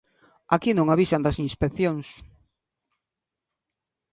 Aquí non avisan das inspeccións.